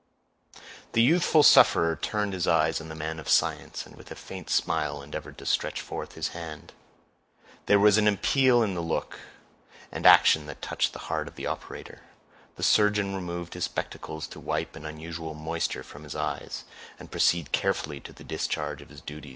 The youthful sufferer turned his eyes on the man of science, and with a faint smile endeavored to stretch forth his hand. There was an appeal in the look and action that touched the heart of the operator. The surgeon removed his spectacles to wipe an unusual moisture from his eyes, and proceeded carefully to the discharge of his duty.